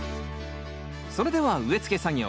それでは植え付け作業。